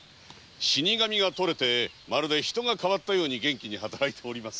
死神が取れてまるで人が変わったように元気に働いております。